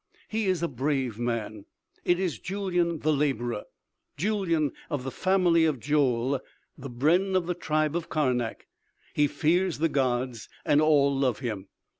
He is a brave man! It is Julyan the laborer; Julyan of the family of Joel, the brenn of the tribe of Karnak! He fears the gods, and all love him.